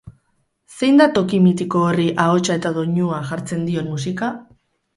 Zein da toki mitiko horri ahotsa eta doinua jartzen dion musika?